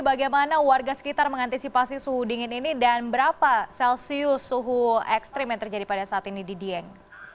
bagaimana warga sekitar mengantisipasi suhu dingin ini dan berapa celsius suhu ekstrim yang terjadi pada saat ini di dieng